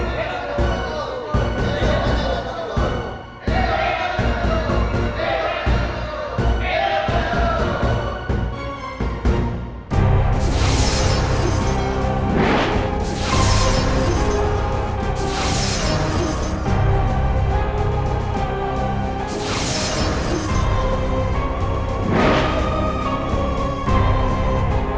semoga hidup kami tidak begitu